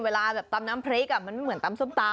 เวลาแบบตำน้ำพริกมันไม่เหมือนตำส้มตำ